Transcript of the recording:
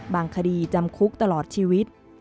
คดีจำคุกตลอดชีวิต